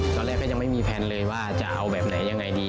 ก็ยังไม่มีแพลนเลยว่าจะเอาแบบไหนยังไงดี